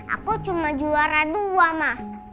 aku cuma juara dua mas